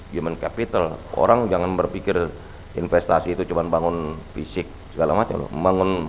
human capital orang jangan berpikir investasi itu cuma bangun fisik segala macam